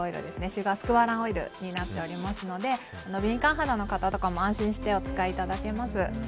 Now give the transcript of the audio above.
シュガースクワランオイルになっておりますので敏感肌の方とかにも安心してお使いいただけます。